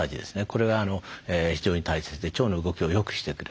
これは非常に大切で腸の動きをよくしてくれる。